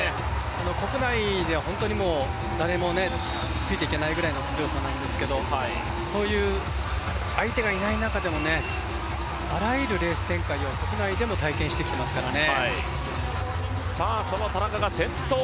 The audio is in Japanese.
国内では本当に誰もついていけないぐらいの強さなんですけどそういう相手がいない中でもあらゆるレース大会を国内でも体験してきていますからね。